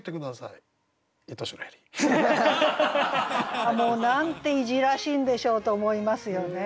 「いとしのエリー」。なんていじらしいんでしょうと思いますよね。